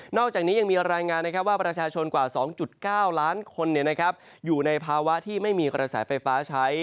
อกจากนี้ยังมีรายงานว่าประชาชนกว่า๒๙ล้านคนอยู่ในภาวะที่ไม่มีกระแสไฟฟ้าใช้